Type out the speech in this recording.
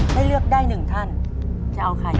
ให้เลือกได้๑ท่านจะเอาใครนะ